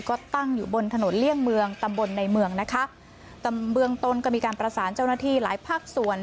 ก็ตั้งอยู่บนถนนเลี่ยงเมืองตำบลในเมืองนะคะเบื้องต้นก็มีการประสานเจ้าหน้าที่หลายภาคส่วน